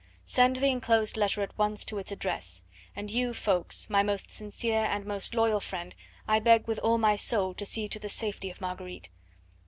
Send the enclosed letter at once to its address. And you, Ffoulkes, my most sincere and most loyal friend, I beg with all my soul to see to the safety of Marguerite.